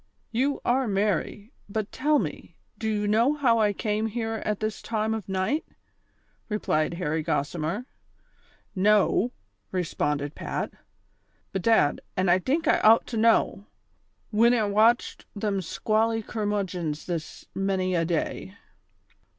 " You are merry ; but toll me, do you know liow I came here at this time of night ?" replied Harry Gossimer. " Know !" responded Pat. " Bedad, an' I tink I out to know, whin I watched them squally curraudgons this many a day."